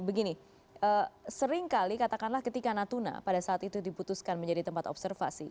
begini seringkali katakanlah ketika natuna pada saat itu diputuskan menjadi tempat observasi